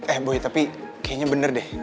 eh boy tapi kayaknya bener deh